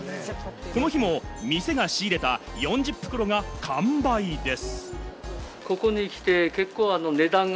この日も店が仕入れた４０袋が完売です。